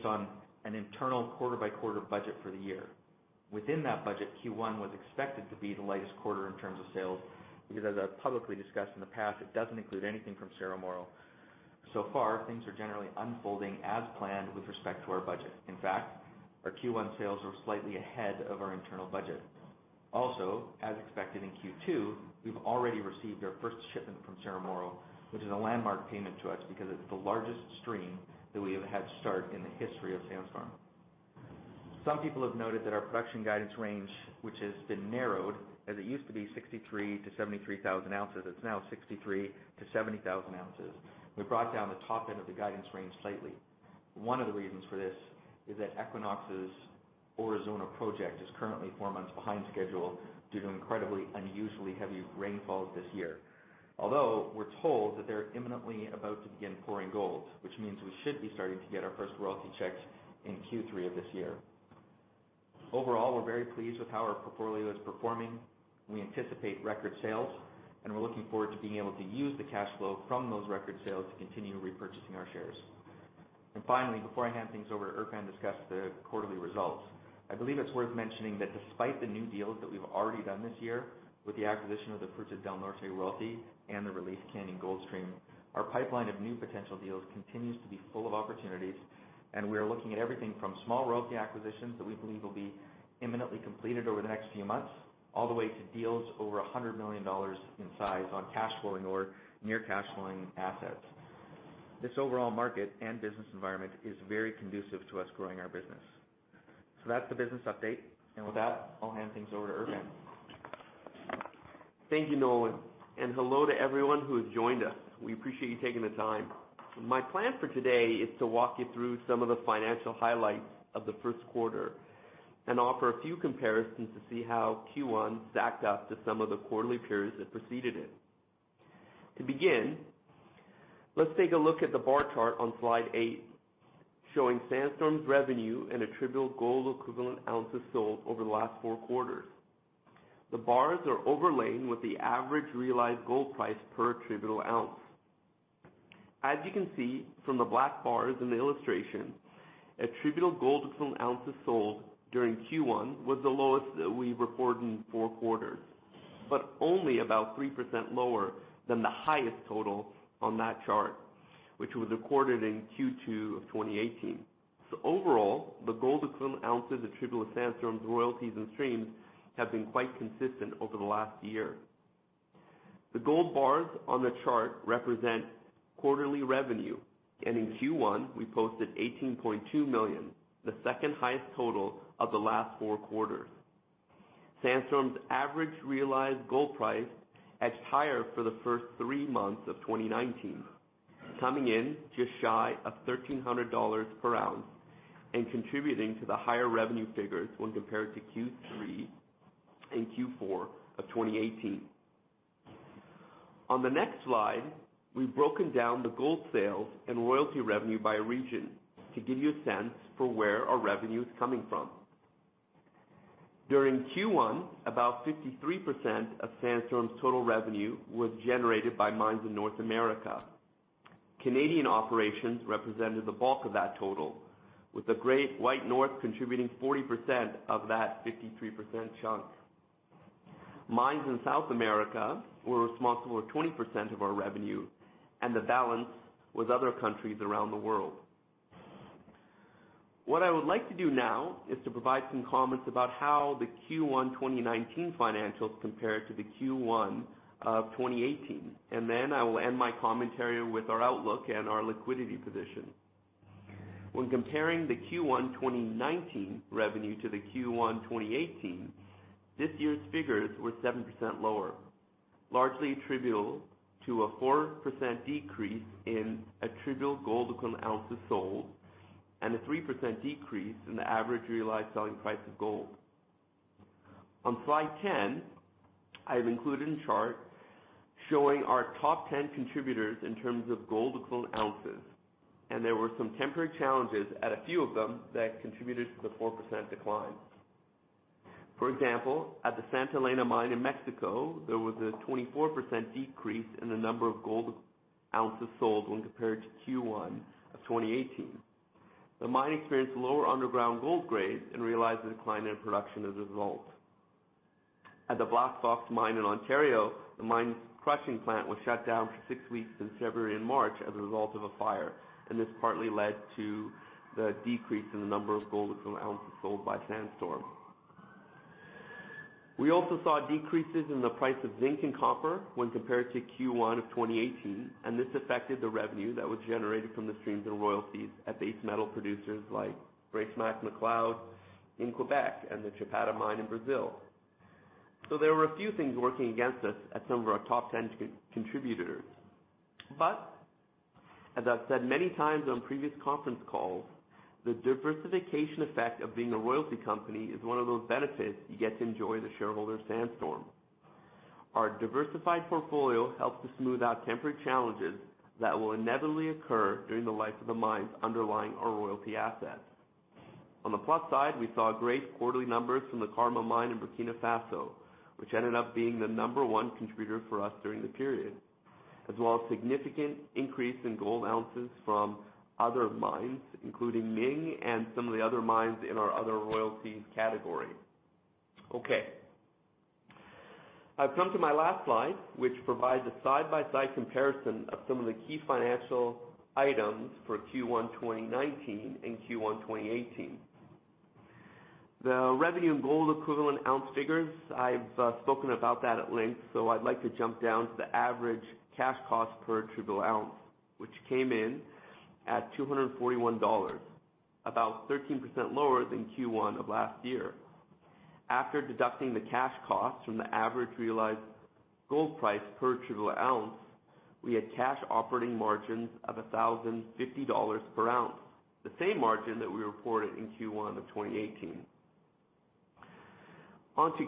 Is based on an internal quarter-by-quarter budget for the year. Within that budget, Q1 was expected to be the lightest quarter in terms of sales because, as I've publicly discussed in the past, it doesn't include anything from Cerro Moro. So far, things are generally unfolding as planned with respect to our budget. In fact, our Q1 sales are slightly ahead of our internal budget. Also, as expected in Q2, we've already received our first shipment from Cerro Moro, which is a landmark payment to us because it's the largest stream that we have had start in the history of Sandstorm. Some people have noted that our production guidance range, which has been narrowed, as it used to be 63,000 to 73,000 ounces, it's now 63,000 to 70,000 ounces. We brought down the top end of the guidance range slightly. One of the reasons for this is that Equinox's Aurizona project is currently four months behind schedule due to incredibly unusually heavy rainfalls this year. Although we're told that they're imminently about to begin pouring gold, which means we should be starting to get our first royalty checks in Q3 of this year. Overall, we're very pleased with how our portfolio is performing. We anticipate record sales, we're looking forward to being able to use the cash flow from those record sales to continue repurchasing our shares. Finally, before I hand things over to Erfan to discuss the quarterly results, I believe it's worth mentioning that despite the new deals that we've already done this year with the acquisition of the Fruta del Norte royalty and the Relief Canyon gold stream, our pipeline of new potential deals continues to be full of opportunities. We are looking at everything from small royalty acquisitions that we believe will be imminently completed over the next few months, all the way to deals over $100 million in size on cash flowing or near cash flowing assets. This overall market and business environment is very conducive to us growing our business. That's the business update, and with that, I'll hand things over to Erfan. Thank you, Nolan. Hello to everyone who has joined us. We appreciate you taking the time. My plan for today is to walk you through some of the financial highlights of the first quarter and offer a few comparisons to see how Q1 stacked up to some of the quarterly periods that preceded it. To begin, let's take a look at the bar chart on slide eight, showing Sandstorm's revenue and attributable gold equivalent ounces sold over the last four quarters. The bars are overlain with the average realized gold price per attributable ounce. As you can see from the black bars in the illustration, attributable gold equivalent ounces sold during Q1 was the lowest that we've recorded in four quarters, but only about 3% lower than the highest total on that chart, which was recorded in Q2 of 2018. Overall, the gold equivalent ounces attributable to Sandstorm's royalties and streams have been quite consistent over the last year. The gold bars on the chart represent quarterly revenue, and in Q1, we posted $18.2 million, the second highest total of the last four quarters. Sandstorm's average realized gold price edged higher for the first three months of 2019, coming in just shy of $1,300 per ounce and contributing to the higher revenue figures when compared to Q3 and Q4 of 2018. On the next slide, we've broken down the gold sales and royalty revenue by region to give you a sense for where our revenue is coming from. During Q1, about 53% of Sandstorm's total revenue was generated by mines in North America. Canadian operations represented the bulk of that total, with the Great White North contributing 40% of that 53% chunk. Mines in South America were responsible for 20% of our revenue. The balance was other countries around the world. I would like to do now is to provide some comments about how the Q1 2019 financials compare to the Q1 of 2018. I will end my commentary with our outlook and our liquidity position. When comparing the Q1 2019 revenue to the Q1 2018, this year's figures were 7% lower, largely attributable to a 4% decrease in attributable gold equivalent ounces sold and a 3% decrease in the average realized selling price of gold. On slide 10, I have included a chart showing our top 10 contributors in terms of gold equivalent ounces. There were some temporary challenges at a few of them that contributed to the 4% decline. For example, at the Santa Elena mine in Mexico, there was a 24% decrease in the number of gold ounces sold when compared to Q1 of 2018. The mine experienced lower underground gold grades and realized a decline in production as a result. At the Black Fox mine in Ontario, the mine's crushing plant was shut down for six weeks in February and March as a result of a fire. This partly led to the decrease in the number of gold equivalent ounces sold by Sandstorm. We also saw decreases in the price of zinc and copper when compared to Q1 of 2018. This affected the revenue that was generated from the streams and royalties at base metal producers like Bracemac-McLeod in Quebec and the Chapada mine in Brazil. There were a few things working against us at some of our top 10 contributors. As I've said many times on previous conference calls, the diversification effect of being a royalty company is one of those benefits you get to enjoy as a shareholder of Sandstorm. Our diversified portfolio helps to smooth out temporary challenges that will inevitably occur during the life of the mines underlying our royalty assets. On the plus side, we saw great quarterly numbers from the Karma mine in Burkina Faso, which ended up being the number one contributor for us during the period, as well as significant increase in gold ounces from other mines, including Ming and some of the other mines in our other royalties category. I've come to my last slide, which provides a side-by-side comparison of some of the key financial items for Q1 2019 and Q1 2018. The revenue and gold equivalent ounce figures, I've spoken about that at length, I'd like to jump down to the average cash cost per attributable ounce, which came in at $241, about 13% lower than Q1 of last year. After deducting the cash cost from the average realized gold price per attributable ounce, we had cash operating margins of $1,050 per ounce, the same margin that we reported in Q1 of 2018.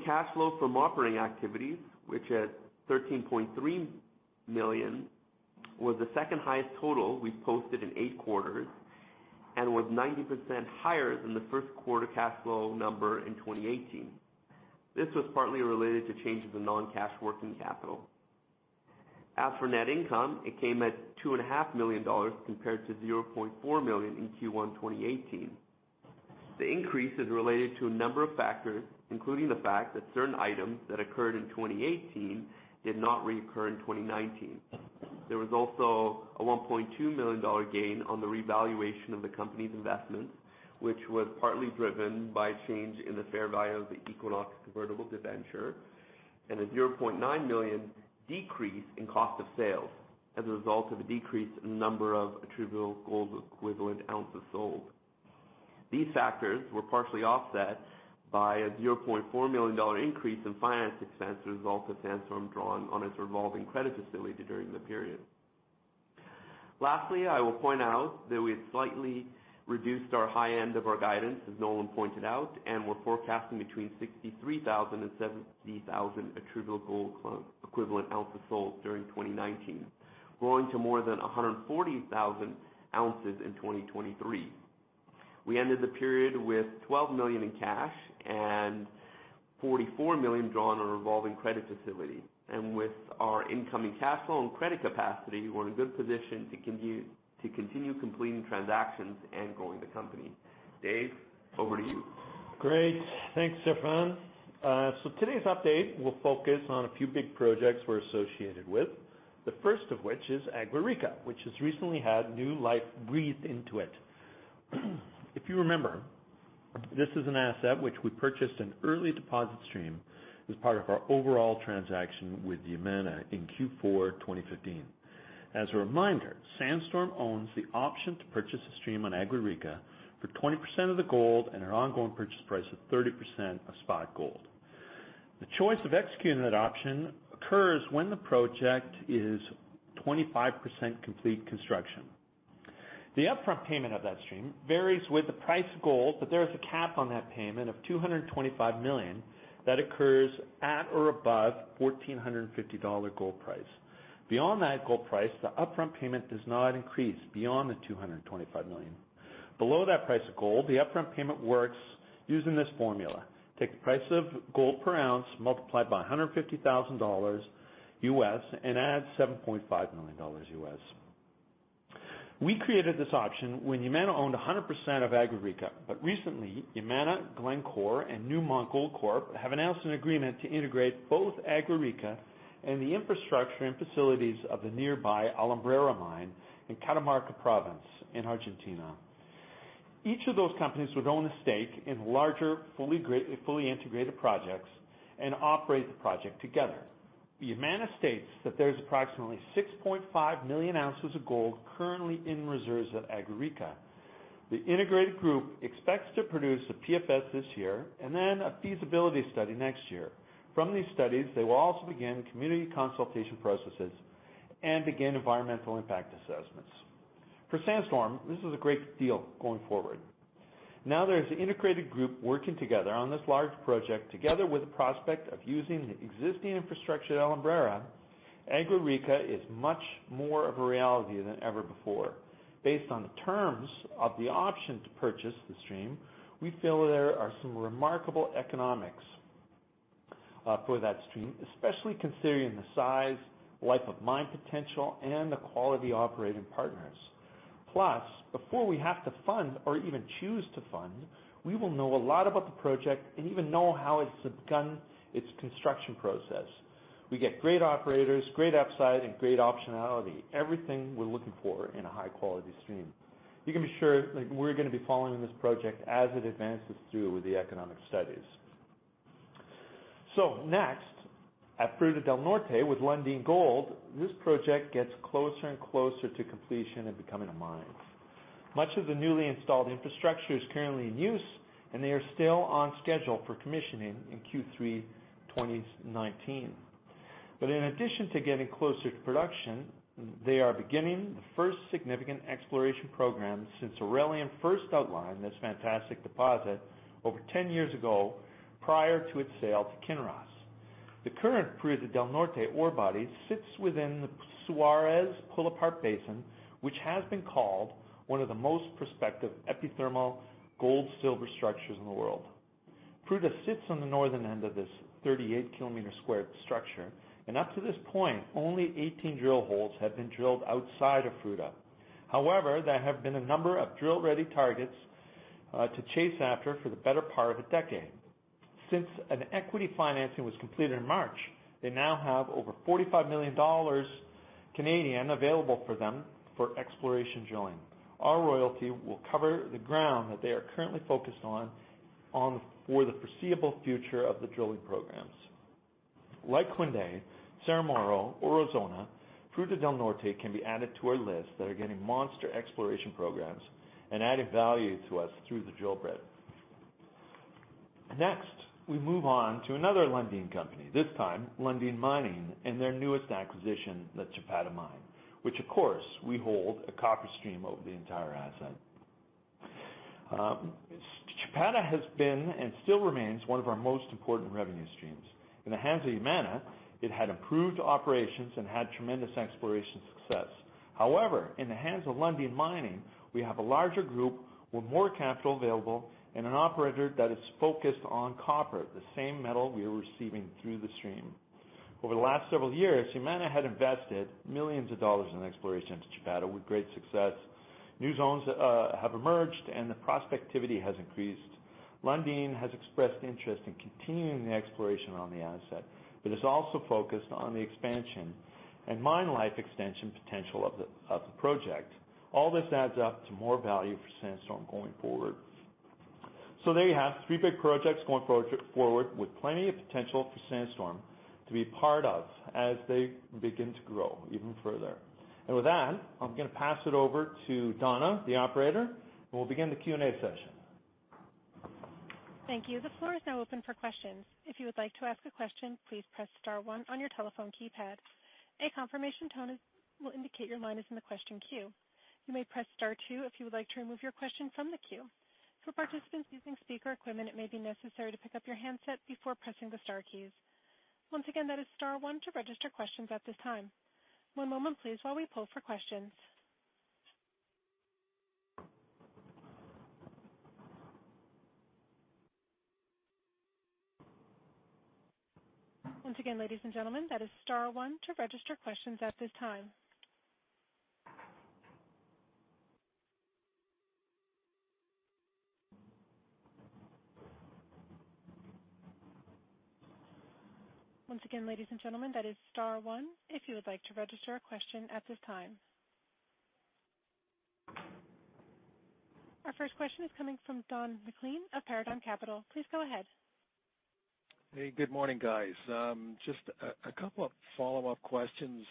Cash flow from operating activities, which at $13.3 million, was the second highest total we've posted in eight quarters and was 90% higher than the first quarter cash flow number in 2018. This was partly related to changes in non-cash working capital. As for net income, it came at $2.5 million compared to $0.4 million in Q1 2018. The increase is related to a number of factors, including the fact that certain items that occurred in 2018 did not reoccur in 2019. There was also a $1.2 million gain on the revaluation of the company's investments, which was partly driven by change in the fair value of the Equinox convertible debenture, and a $0.9 million decrease in cost of sales as a result of a decrease in number of attributable gold equivalent ounce of sold. These factors were partially offset by a $0.4 million increase in finance expense as a result of Sandstorm drawing on its revolving credit facility during the period. Lastly, I will point out that we had slightly reduced our high end of our guidance, as Nolan pointed out, and we're forecasting between 63,000 and 70,000 attributable gold equivalent ounce of sold during 2019, growing to more than 140,000 ounces in 2023. We ended the period with $12 million in cash and $44 million drawn on a revolving credit facility. With our incoming cash flow and credit capacity, we're in a good position to continue completing transactions and growing the company. Dave, over to you. Great. Thanks, Erfan. Today's update will focus on a few big projects we're associated with, the first of which is Agua Rica, which has recently had new life breathed into it. If you remember, this is an asset which we purchased an early deposit stream as part of our overall transaction with Yamana in Q4 2015. As a reminder, Sandstorm owns the option to purchase a stream on Agua Rica for 20% of the gold and an ongoing purchase price of 30% of spot gold. The choice of executing that option occurs when the project is 25% complete construction. The upfront payment of that stream varies with the price of gold, but there is a cap on that payment of $225 million that occurs at or above $1,450 gold price. Beyond that gold price, the upfront payment does not increase beyond the $225 million. Below that price of gold, the upfront payment works using this formula: Take the price of gold per ounce, multiply it by $150,000 and add $7.5 million. We created this option when Yamana owned 100% of Agua Rica. Recently, Yamana, Glencore, and Newmont Goldcorp have announced an agreement to integrate both Agua Rica and the infrastructure and facilities of the nearby Alumbrera Mine in Catamarca Province in Argentina. Each of those companies would own a stake in larger, fully integrated projects and operate the project together. Yamana states that there's approximately 6.5 million ounces of gold currently in reserves at Agua Rica. The integrated group expects to produce a PFS this year. Then a feasibility study next year. From these studies, they will also begin community consultation processes and begin environmental impact assessments. For Sandstorm, this is a great deal going forward. There's an integrated group working together on this large project, together with the prospect of using the existing infrastructure at Alumbrera. Agua Rica is much more of a reality than ever before. Based on the terms of the option to purchase the stream, we feel there are some remarkable economics for that stream, especially considering the size, life of mine potential, and the quality operating partners. Before we have to fund or even choose to fund, we will know a lot about the project and even know how it's begun its construction process. We get great operators, great upside, and great optionality, everything we're looking for in a high-quality stream. You can be sure that we're going to be following this project as it advances through with the economic studies. Next, at Fruta del Norte with Lundin Gold, this project gets closer and closer to completion and becoming a mine. Much of the newly installed infrastructure is currently in use, and they are still on schedule for commissioning in Q3 2019. In addition to getting closer to production, they are beginning the first significant exploration program since Aurelian first outlined this fantastic deposit over ten years ago prior to its sale to Kinross. The current Fruta del Norte ore body sits within the Suárez pull-apart basin, which has been called one of the most prospective epithermal gold-silver structures in the world. Fruta sits on the northern end of this 38-kilometer-squared structure. Up to this point, only 18 drill holes have been drilled outside of Fruta. However, there have been a number of drill-ready targets to chase after for the better part of a decade. Since an equity financing was completed in March, they now have over 45 million Canadian dollars available for them for exploration drilling. Our royalty will cover the ground that they are currently focused on for the foreseeable future of the drilling programs. Like [Kiena], Cerrejón, or Ozona, Fruta del Norte can be added to our list that are getting monster exploration programs and adding value to us through the drill bit. Next, we move on to another Lundin company, this time Lundin Mining, and their newest acquisition, the Chapada mine, which of course, we hold a copper stream over the entire asset. Chapada has been and still remains one of our most important revenue streams. In the hands of Yamana, it had improved operations and had tremendous exploration success. In the hands of Lundin Mining, we have a larger group with more capital available and an operator that is focused on copper, the same metal we are receiving through the stream. Over the last several years, Yamana had invested millions of dollars in exploration into Chapada with great success. New zones have emerged, and the prospectivity has increased. Lundin has expressed interest in continuing the exploration on the asset, but is also focused on the expansion and mine life extension potential of the project. All this adds up to more value for Sandstorm going forward. There you have three big projects going forward with plenty of potential for Sandstorm to be part of as they begin to grow even further. With that, I'm going to pass it over to Donna, the operator, and we'll begin the Q&A session. Thank you. The floor is now open for questions. If you would like to ask a question, please press star one on your telephone keypad. A confirmation tone will indicate your line is in the question queue. You may press star two if you would like to remove your question from the queue. For participants using speaker equipment, it may be necessary to pick up your handset before pressing the star keys. Once again, that is star one to register questions at this time. One moment please while we poll for questions. Once again, ladies and gentlemen, that is star one to register questions at this time. Once again, ladies and gentlemen, that is star one if you would like to register a question at this time. Our first question is coming from Don MacLean of Paradigm Capital. Please go ahead. Hey, good morning, guys. Just a couple of follow-up questions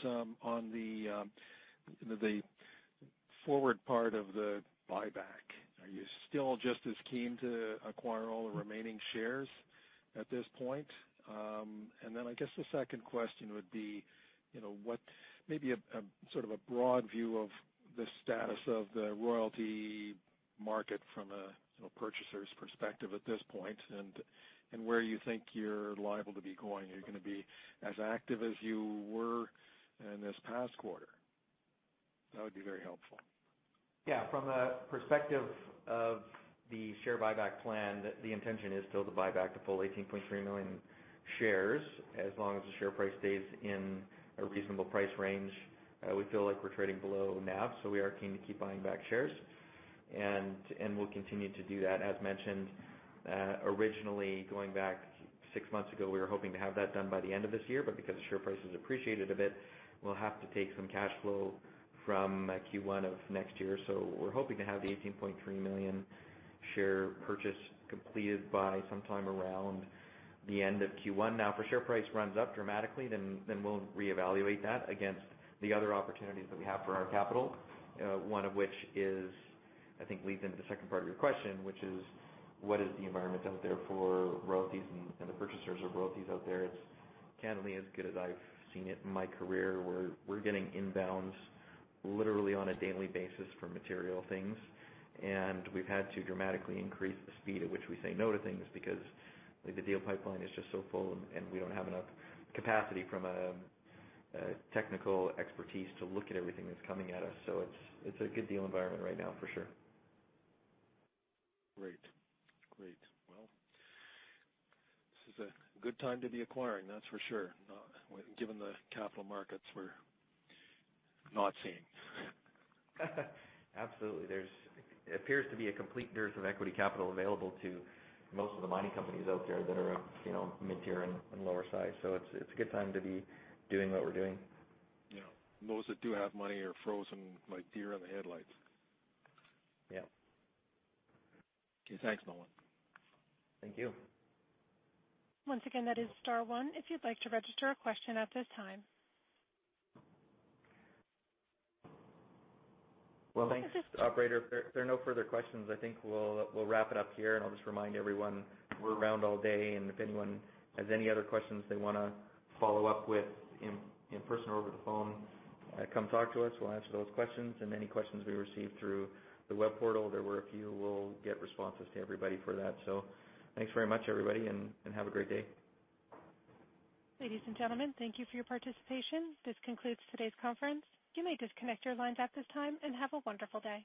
on the forward part of the buyback. Are you still just as keen to acquire all the remaining shares at this point? I guess the second question would be maybe a broad view of the status of the royalty market from a purchaser's perspective at this point and where you think you're liable to be going. Are you going to be as active as you were in this past quarter? That would be very helpful. Yeah. From a perspective of the share buyback plan, the intention is still to buy back the full 18.3 million shares as long as the share price stays in a reasonable price range. We feel like we're trading below NAV, we are keen to keep buying back shares, and we'll continue to do that. As mentioned, originally, going back six months ago, we were hoping to have that done by the end of this year, but because the share price has appreciated a bit, we'll have to take some cash flow from Q1 of next year. We're hoping to have the 18.3 million share purchase completed by sometime around the end of Q1. If the share price runs up dramatically, we'll reevaluate that against the other opportunities that we have for our capital. One of which I think leads into the second part of your question, which is what is the environment out there for royalties and the purchasers of royalties out there? It's candidly as good as I've seen it in my career, where we're getting inbounds literally on a daily basis for material things. We've had to dramatically increase the speed at which we say no to things because the deal pipeline is just so full, and we don't have enough capacity from a technical expertise to look at everything that's coming at us. It's a good deal environment right now for sure. Great. This is a good time to be acquiring, that's for sure, given the capital markets we're not seeing. Absolutely. There appears to be a complete dearth of equity capital available to most of the mining companies out there that are mid-tier and lower size. It's a good time to be doing what we're doing. Yeah. Those that do have money are frozen like deer in the headlights. Yeah. Okay, thanks, Nolan. Thank you. Once again, that is star one if you'd like to register a question at this time. Well, thanks, operator. If there are no further questions, I think we'll wrap it up here, and I'll just remind everyone, we're around all day, and if anyone has any other questions they want to follow up with in person or over the phone, come talk to us. We'll answer those questions and any questions we receive through the web portal. There were a few. We'll get responses to everybody for that. Thanks very much, everybody, and have a great day. Ladies and gentlemen, thank you for your participation. This concludes today's conference. You may disconnect your lines at this time. Have a wonderful day.